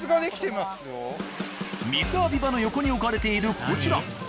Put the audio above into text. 水浴び場の横に置かれているこちら。